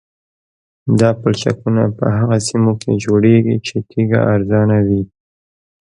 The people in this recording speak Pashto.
دا پلچکونه په هغه سیمو کې جوړیږي چې تیږه ارزانه وي